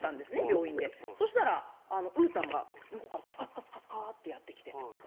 病院でそしたらうーたんが向こうからツカツカツカツカッてやって来て